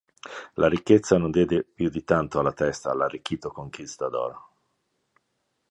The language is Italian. La ricchezza non diede più di tanto alla testa all'arricchito “"conquistador"”.